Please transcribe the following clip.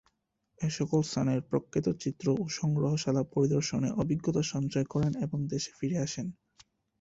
এ সকল স্থানের প্রখ্যাত চিত্র ও সংগ্রহশালা পরিদর্শনে অভিজ্ঞতা সঞ্চয় করেন এবং দেশে ফিরে আসেন।